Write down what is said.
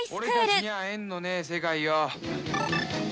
俺たちにゃ縁のねえ世界よ。